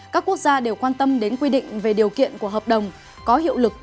các quốc gia đều quan tâm đến quy định về điều kiện của hợp đồng có hiệu lực